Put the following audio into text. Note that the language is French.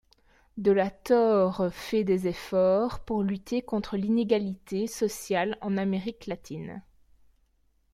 De la Torre fait des efforts pour lutter contre l'inégalité sociale en Amérique latine.